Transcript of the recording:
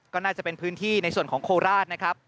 ก็น่าจะเป็นพื้นที่ในส่วนของโคราชนะครับ